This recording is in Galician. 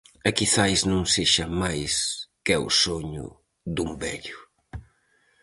E quizais non sexa máis que o soño dun vello...